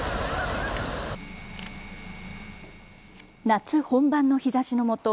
夏本番の日ざしのもと